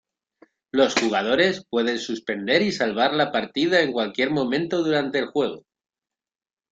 Los jugadores pueden suspender y salvar la partida en cualquier momento durante el juego.